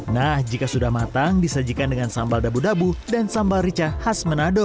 nah jika sudah matang disajikan dengan sambal dabu dabu dan sambal rica khas manado